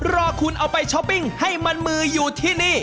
รอคุณเอาไปช้อปปิ้งให้มันมืออยู่ที่นี่